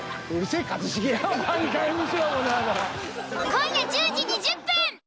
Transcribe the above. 今夜１０時２０分。